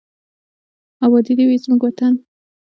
اباد دې وي زموږ وطن.